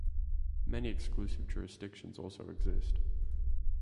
Many exclusive jurisdictions also exist.